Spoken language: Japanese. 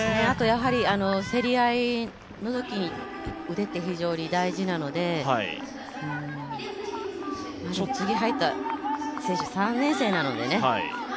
あとは競り合いのときに腕って非常に大事なので、次、入った選手３年生なのでね